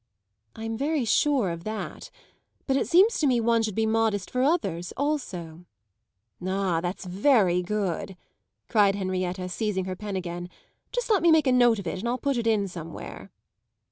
"I'm very sure of that; but it seems to me one should be modest for others also!" "Ah, that's very good!" cried Henrietta, seizing her pen again. "Just let me make a note of it and I'll put it in somewhere."